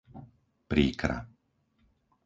Príkra